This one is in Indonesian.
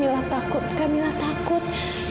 mila takut kak mila takut